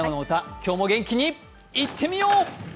今日も元気にいってみよう。